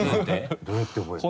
どうやって覚えるの？